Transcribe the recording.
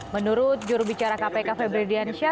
menurut jurubicara kpk febrilian sya